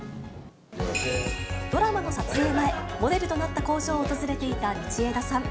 ドラマの撮影前、モデルとなった工場を訪れていた道枝さん。